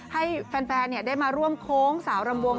ให้แฟนได้มาร่วมโค้งสาวรำวง